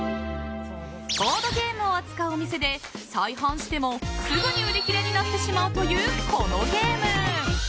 ボードゲームを扱うお店で再販してもすぐに売り切れになってしまうというこのゲーム。